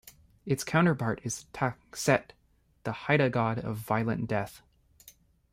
Its counterpart is Ta'xet, the Haida God of violent death.